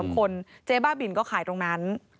คนเจ๊บ้าบินก็ขายตรงนั้น